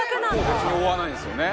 別に追わないんですよね